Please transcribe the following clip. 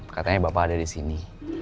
katanya bapak ada disini